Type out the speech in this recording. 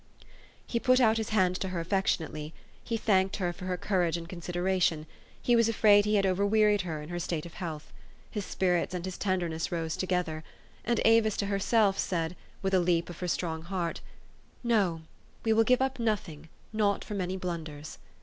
He put out his hand to her affectionately; he thanked her for her courage and consideration ; he was afraid he had overwearied her in her state of health. His spirits and his tenderness rose together. And Avis to herself said, with a leap of her strong heart, "No, we will give up nothing, not for many blunders."